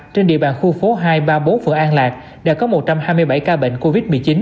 trên địa bàn khu phố hai trăm ba mươi bốn phường an lạc đã có một trăm hai mươi bảy ca bệnh covid một mươi chín